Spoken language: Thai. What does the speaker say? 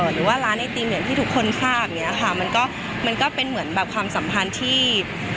หรือว่าร้านไอติมอย่างที่ทุกคนทราบอย่างเงี้ยค่ะมันก็มันก็เป็นเหมือนแบบความสัมพันธ์ที่